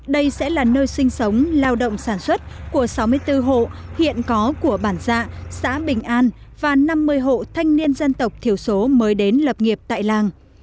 đây sẽ là nơi sinh sống lao động sản xuất của sáu mươi bốn hộ hiện có của bản dạ xã bình an và năm mươi hộ thanh niên dân tộc thiểu số mới đến lập nghiệp tại làng